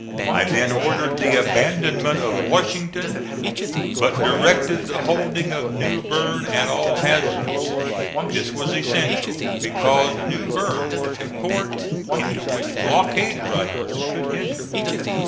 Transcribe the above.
I then ordered the abandonment of Washington, but directed the holding of New Berne at all hazards. This was essential because New Berne was a port into which blockade runners could enter.